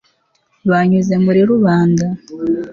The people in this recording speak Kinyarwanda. banyuze muri rubanda